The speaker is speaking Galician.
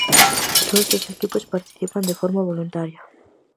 Todos os equipos participan de forma voluntaria.